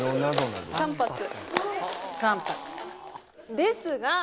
ですが！